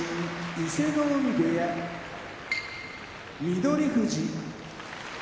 伊勢ノ海部屋翠富士